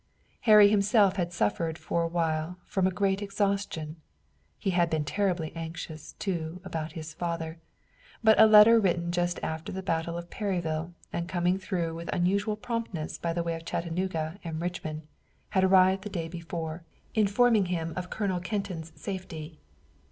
Harry himself had suffered for a while from a great exhaustion. He had been terribly anxious, too, about his father, but a letter written just after the battle of Perryville, and coming through with unusual promptness by the way of Chattanooga and Richmond, had arrived the day before, informing him of Colonel Kenton's safety.